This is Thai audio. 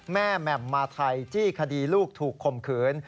แม่แหม่มมาไทยจี้คดีลูกถูกข่มขืน